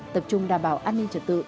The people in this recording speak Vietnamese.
tập trung đảm bảo an ninh trật tự